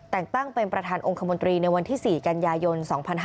แต่งตั้งเป็นประธานองค์คมนตรีในวันที่๔กันยายน๒๕๕๙